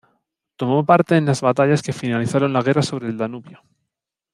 Tomó parte en las batallas que finalizaron la guerra sobre el Danubio.